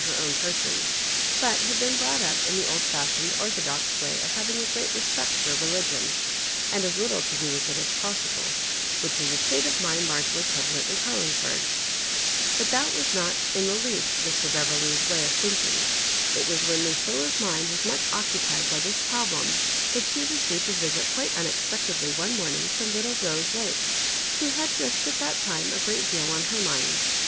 h^ ownip€a»on, but had been brought, up in the old fashioned ortho dox way of having a great respect for religion, and as little to do with iLas possible, which was a state of mind lurgely prevalent m Carhngford. But that was not in the least Mr. Beverley's way of thinking. It was when Lucilla's mind was much occupied by this problem that she received a visit quite unexpectedly one morning from little Rose Lake, who had just at that time a great deal on her mind.